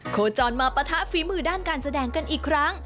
โคจรมาปะทะฝีมือด้านการแสดงกันอีกครั้ง